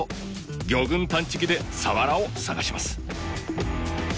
魚群探知機でサワラを探します。